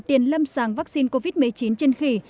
tiền lâm sàng vaccine covid một mươi chín trên khỉ